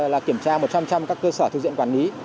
là kiểm tra một trăm linh các cơ sở thực diện quản lý